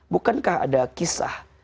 bukankah ada kisah